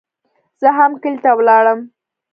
زه هم کلي ته ولاړم.